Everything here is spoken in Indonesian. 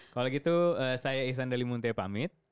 kalau gitu saya iksan dali munte pamit